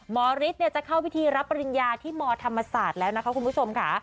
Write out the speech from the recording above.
ฤทธิ์จะเข้าพิธีรับปริญญาที่มธรรมศาสตร์แล้วนะคะคุณผู้ชมค่ะ